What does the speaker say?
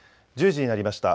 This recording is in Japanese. １０時になりました。